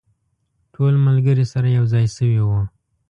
ټول ملګري سره یو ځای شوي وو.